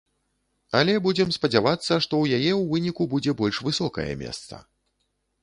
Але будзем спадзявацца, што ў яе ў выніку будзе больш высокае месца.